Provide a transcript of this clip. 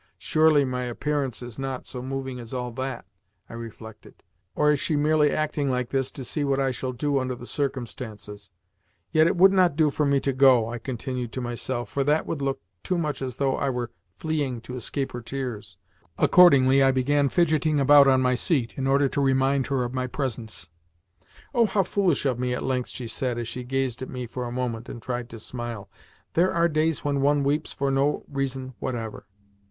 "Surely my appearance is not so moving as all that?" I reflected. "Or is she merely acting like this to see what I shall do under the circumstances?" "Yet it would not do for me to go," I continued to myself, "for that would look too much as though I were fleeing to escape her tears." Accordingly I began fidgeting about on my seat, in order to remind her of my presence. "Oh, how foolish of me!" at length she said, as she gazed at me for a moment and tried to smile. "There are days when one weeps for no reason whatever."